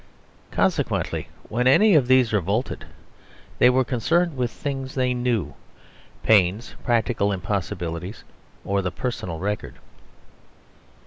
Consequently, when any of these revolted, they were concerned with things they knew, pains, practical impossibilities, or the personal record.